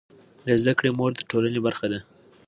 د زده کړې مور د ټولنې برخه ده.